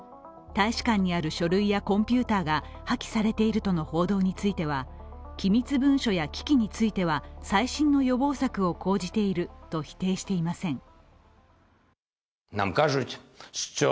大使館にある書類やコンピューターが破棄されているとの報道については機密文書や機器については細心の予防策を講じていると否定していません。